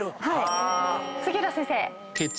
杉浦先生。